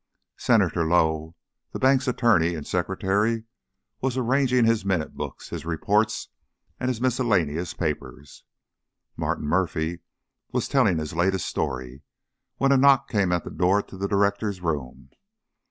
Senator Lowe, the bank's attorney and secretary, was arranging his minute books, his reports, and his miscellaneous papers, Martin Murphy was telling his latest story, when a knock came at the door to the directors' room.